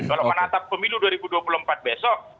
kalau menatap pemilu dua ribu dua puluh empat besok